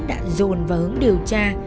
đã dồn vào hướng điều tra